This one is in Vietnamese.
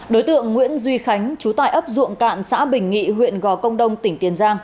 đối tượng nguyễn duy khánh chú tại ấp ruộng cạn xã bình nghị huyện gò công đông tỉnh tiền giang